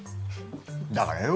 だからよ。